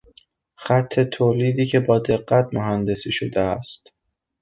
خط تولیدی که با دقت مهندسی شده است